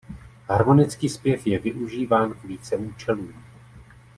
Harmonický zpěv je využíván k více účelům.